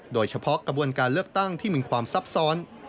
โดยเฉพาะกระบวนการเลือกตั้งที่มีความซับซ้อน